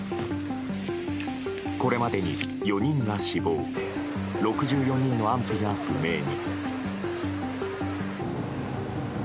これまでに４人が死亡６４人の安否が不明に。